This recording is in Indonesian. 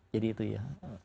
jadi itu ya